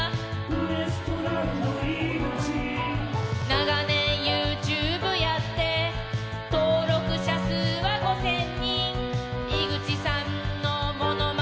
「長年ＹｏｕＴｕｂｅやって登録者数は５，０００人」「井口さんの物まね載せたら」